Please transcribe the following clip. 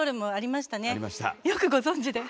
よくご存じで。